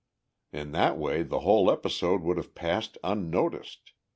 In that way the whole episode would have passed unnoticed.